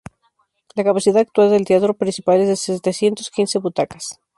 La capacidad actual del teatro principal es de setecientos quince butacas.